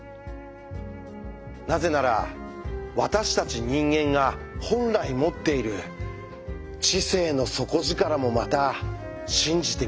なぜなら私たち人間が本来持っている「知性の底力」もまた信じてみたい。